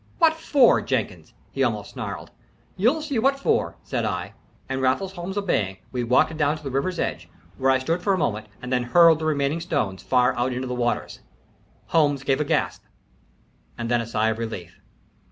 "What for, Jenkins?" he almost snarled. "You'll see what for," said I. And Raffles Holmes obeying, we walked down to the river's edge, where I stood for a moment, and then hurled the remaining stones far out into the waters. Holmes gave a gasp and then a sigh of relief.